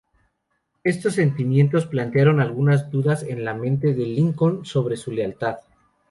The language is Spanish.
Estos sentimientos plantearon algunas dudas en la mente de Lincoln sobre su lealtad.